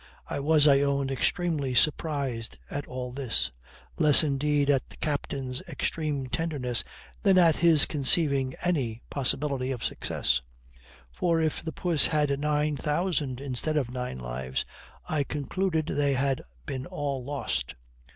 I was, I own, extremely surprised at all this; less indeed at the captain's extreme tenderness than at his conceiving any possibility of success; for if puss had had nine thousand instead of nine lives, I concluded they had been all lost.